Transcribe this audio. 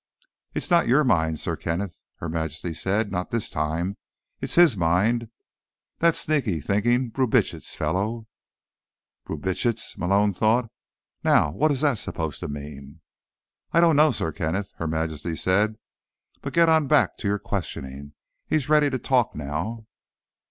"It's not your mind, Sir Kenneth," Her Majesty said. "Not this time. It's his mind. That sneaky thinking Brubitsch fellow." Brubitsch? Malone thought. Now what is that supposed to mean? "I don't know, Sir Kenneth," Her Majesty said. "But get on back to your questioning. He's ready to talk now."